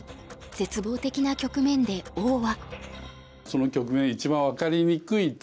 絶望的な局面で王は。